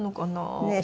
ねえ。